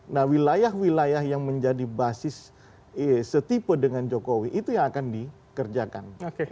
nah wilayah wilayah yang menjadi basis setipe dengan jokowi itu yang akan dikerjakan